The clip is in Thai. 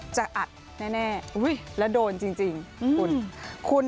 จะอัดแน่แล้วโดนจริงคุณ